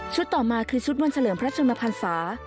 ชุดต่อมาคือชุดวนเฉลิมพระชุมภัณฑ์ศาสตร์